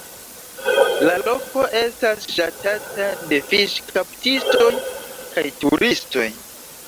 La loko estas ŝatata de fiŝkaptistoj kaj turistoj.